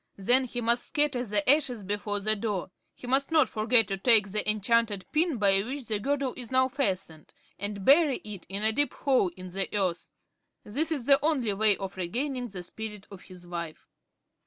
Then he must scatter the ashes before the door. He must not forget to take the enchanted pin by which the girdle is now fastened and bury it in a deep hole in the earth. This is the only way of regaining the spirit of his wife."